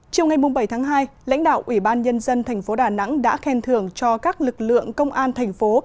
chiều ngày bảy tháng hai lãnh đạo ủy ban nhân dân thành phố đà nẵng đã khen thưởng cho các lực lượng công an thành phố